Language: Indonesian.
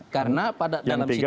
karena pada dalam situasi